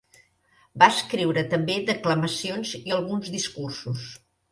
Va escriure també declamacions i alguns discursos.